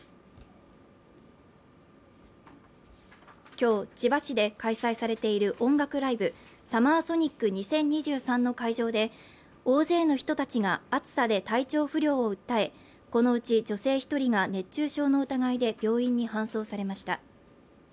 今日、千葉市で開催されている音楽ライブサマーソニック２０２３の会場で大勢の人たちが暑さで体調不良を訴え、このうち女性１人が熱中症の疑いで病院に搬送されました。